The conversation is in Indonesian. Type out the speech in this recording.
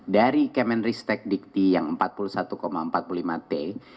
dari kemenristek dikti yang empat puluh satu empat puluh lima t